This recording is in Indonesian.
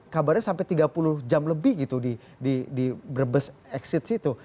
kabarnya sampai tiga puluh jam lebih gitu di brebes exit situ